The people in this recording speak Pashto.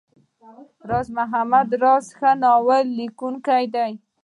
راز محمد راز ښه ناول ليکونکی دی.